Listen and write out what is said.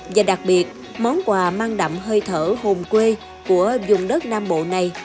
và đặc biệt món quà mang đậm hơi thở hồn quê của dùng đất nam bộ này